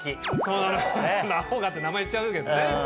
そう「奈歩が」って名前言っちゃうけどね。